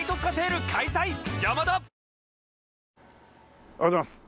おはようございます。